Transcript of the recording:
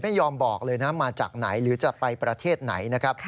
ไม่ยอมบอกเลยนะมาจากไหนหรือจะไปประเทศไหนนะครับ